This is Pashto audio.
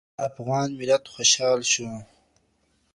افغان ملت خوشحال شو